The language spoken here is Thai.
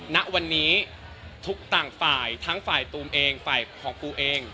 ณวันนี้ทุกต่างฝ่ายทั้งฝ่ายตูมเองฝ่ายของปูเอง